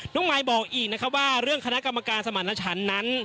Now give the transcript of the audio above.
มายบอกอีกนะครับว่าเรื่องคณะกรรมการสมรรถฉันนั้น